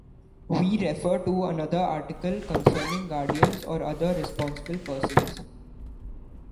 We refer to another article concerning guardians or other responsible persons.